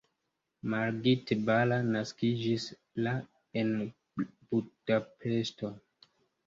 Margit Balla naskiĝis la en Budapeŝto.